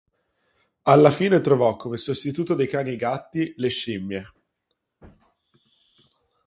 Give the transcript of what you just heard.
Alla fine trovò come sostituto dei cani e i gatti, le scimmie.